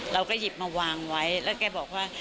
เราก็หยิบมาวางไว้แล้วแกบอกว่า